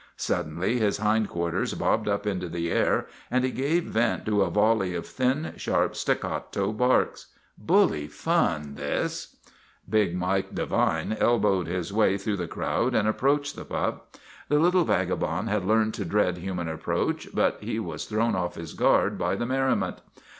Suddenly his hind quarters bobbed up into the air and he gave vent to a volley of thin, sharp, staccato barks. Bully fun, this! Big Mike Devine elbowed his way through the 1 62 SPIDER OF THE NEWSIES crowd and approached the pup. The little vaga bond had learned to dread human approach, but he was thrown off his guard by the merriment.